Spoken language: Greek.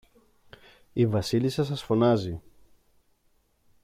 η Βασίλισσα σας φωνάζει.